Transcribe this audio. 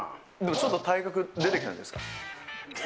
ちょっと体格出てきたんじゃないですか。